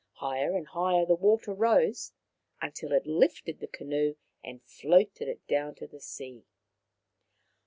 Higher and higher the water rose, until it lifted the canoe and floated it down to the sea.